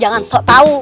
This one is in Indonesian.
jangan sok tau